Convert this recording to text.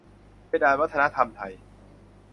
เพดานวัฒนธรรมไทย